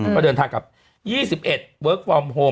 ก็เดินทางกับ๒๑เวิร์คฟอร์มโฮม